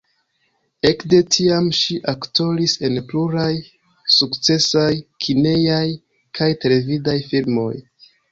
Ekde tiam ŝi aktoris en pluraj sukcesaj kinejaj kaj televidaj filmoj.